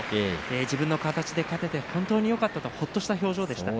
自分の形で勝てて本当によかったとほっとした表情でした。